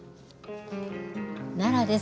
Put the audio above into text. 奈良です。